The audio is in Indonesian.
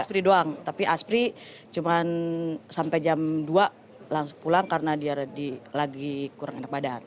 aspri doang tapi aspri cuma sampai jam dua langsung pulang karena dia lagi kurang enak badan